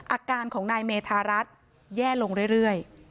อาการของนายเมธารัฐแย่ลงเรื่อย